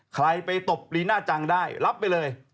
ใครไปตบลีน่าจังได้รับไปเลย